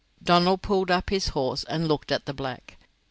Donald pulled up his horse and looked at the black.